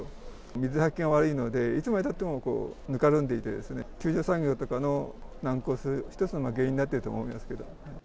水はけが悪いので、いつまでたってもぬかるんでいて、救助作業とかの、難航する一つの原因になっていると思うんですけ